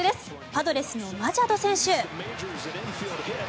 パドレスのマチャド選手。